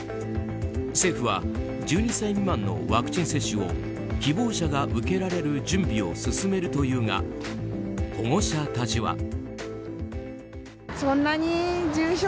政府は１２歳未満のワクチン接種を希望者が受けられる準備を進めるというが保護者たちは。